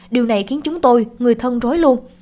điều này khiến chúng tôi người thân rối luôn